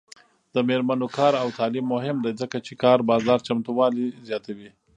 د میرمنو کار او تعلیم مهم دی ځکه چې کار بازار چمتووالي زیاتوي.